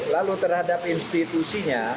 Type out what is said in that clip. lalu terhadap institusinya